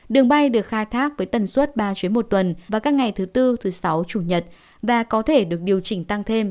đường bay được khai thác với tần suất ba chuyến một tuần vào các ngày thứ tư thứ sáu chủ nhật và có thể được điều chỉnh tăng thêm